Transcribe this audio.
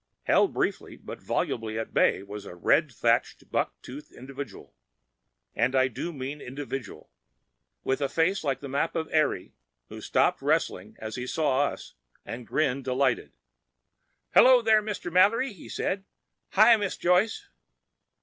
Held briefly but volubly at bay was a red thatched, buck toothed individual—and I do mean individual!—with a face like the map of Eire, who stopped wrestling as he saw us, and grinned delightedly. "Hello, Mr. Mallory," he said. "Hi, Miss Joyce."